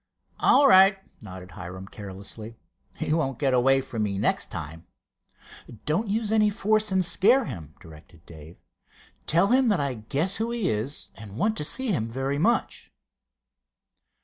"All right," nodded Hiram, carelessly. "He won't get away from me next time." "Don't use any force and scare him," directed Dave. "Tell him that I guess who he is, and want to see him very much."